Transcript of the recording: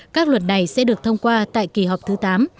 các luật này sẽ được thông qua tại kỳ họp thứ tám